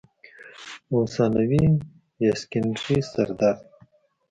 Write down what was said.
او ثانوي يا سيکنډري سردرد